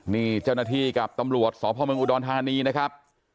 นี่เจ้าหน้าที่กับตำรวจสพเมืองอุดรธานีนะครับ